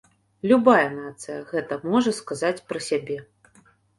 Любая нацыя гэта можа сказаць пра сябе.